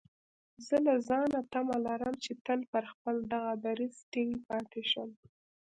زه له ځانه تمه لرم چې تل پر خپل دغه دريځ ټينګ پاتې شم.